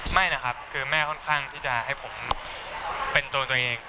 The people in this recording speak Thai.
ไม่นะครับคือแม่ค่อนข้างที่จะให้ผมเป็นตัวตัวเอง